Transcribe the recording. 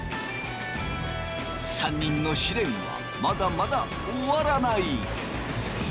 ３人の試練はまだまだ終わらない。